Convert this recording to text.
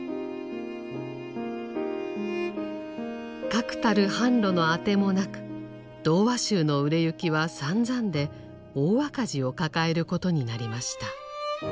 確たる販路の当てもなく童話集の売れ行きはさんざんで大赤字を抱えることになりました。